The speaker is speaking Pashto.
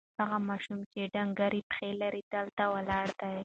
هغه ماشوم چې ډنګرې پښې لري، دلته ولاړ دی.